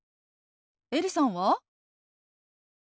エリさんは？